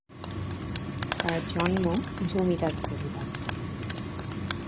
তার জন্ম জমিদার পরিবারে।